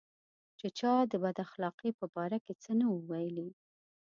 چې چا د بد اخلاقۍ په باره کې څه نه وو ویلي.